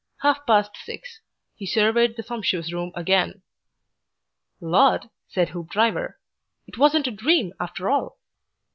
Half past six. He surveyed the sumptuous room again. "Lord!" said Mr. Hoopdriver. "It wasn't a dream, after all."